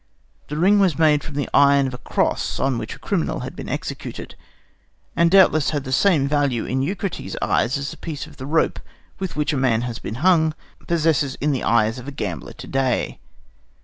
The ring was made from the iron of a cross on which a criminal had been executed, and doubtless had the same value in Eucrates' eyes that a piece of the rope with which a man has been hung possesses in the eyes of a gambler to day.